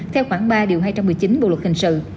theo khoảng ba điều hai trăm một mươi chín bộ luật hình sự